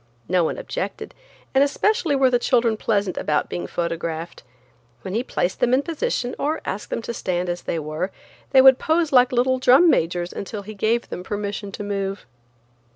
No one objected, and especially were the children pleasant about being photographed. When he placed them in position, or asked them to stand as they were, they would pose like little drum majors until he gave them permission to move.